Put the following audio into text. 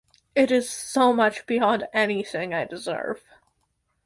It is so much beyond any thing I deserve.